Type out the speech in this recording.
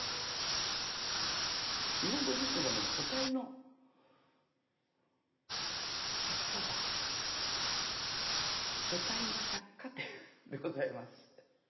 日本語自身がもう書体の百貨店でございます。